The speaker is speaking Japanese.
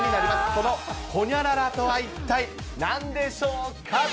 このホニャララとは一体なんでしょうか。